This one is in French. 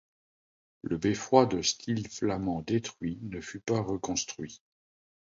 Le beffroi de style flamand détruit ne fut pas reconstruit.